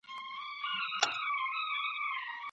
د کیبورډ پر ځای قلم کارول ذهن فعال ساتي.